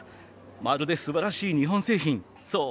まるで素晴らしい日本製品そう